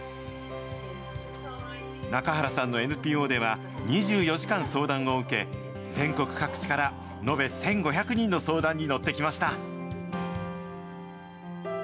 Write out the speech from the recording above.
中原さんのＮＰＯでは２４時間相談を受け、全国各地から延べ１５００人の相談に乗ってきました。